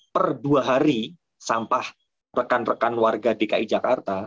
per dua hari sampah rekan rekan warga dki jakarta